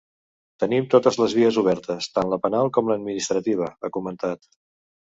Tenim totes les vies obertes, tant la penal com l’administrativa, ha comentat.